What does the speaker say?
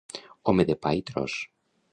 Home de pa i tros.